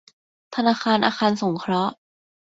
ธนาคารอาคารสงเคราะห์